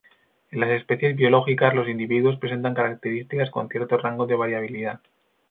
En las especies biológicas, los individuos presentan características con cierto rango de variabilidad.